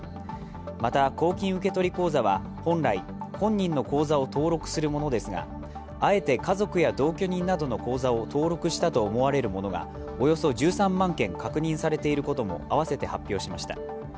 また、公金受取口座は本来、本人の口座を登録するものですが、あえて家族や同居人などの口座を登録したと思われるものがおよそ１３万件確認されていることも合わせて発表しました。